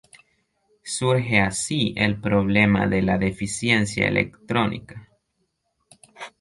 Surge así el problema de la deficiencia electrónica.